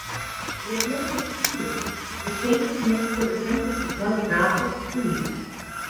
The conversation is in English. The athletic field is located next to the campus across Garfield Street.